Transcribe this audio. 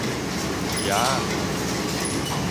蛾仔